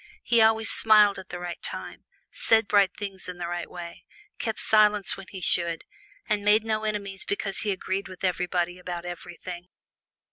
He always smiled at the right time, said bright things in the right way, kept silence when he should, and made no enemies because he agreed with everybody about everything.